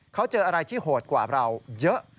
เขาเจออะไรที่โหดกว่าเราเยอะ